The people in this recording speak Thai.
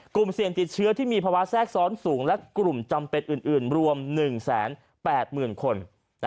กลุ่มเสี่ยงติดเชื้อที่มีภาวะแทรกซ้อนสูงและกลุ่มจำเป็นอื่นรวม๑๘๐๐๐คน